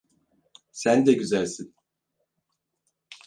Sen de güzelsin.